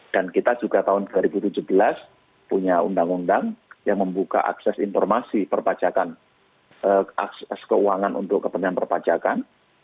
dan kita juga tahun dua ribu tujuh belas punya undang undang yang membuka akses informasi keuangan untuk kepenangan perpajakan